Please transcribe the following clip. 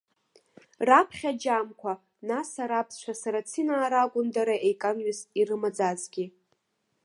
Раԥхьа аџьамқәа, нас арабцәа сарацинаа ракәын дара еиканҩыс ирымаӡазгьы.